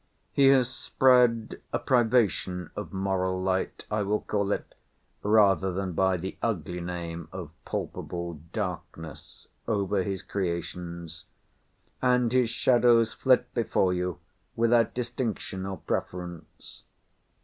He has spread a privation of moral light, I will call it, rather than by the ugly name of palpable darkness, over his creations; and his shadows flit before you without distinction or preference.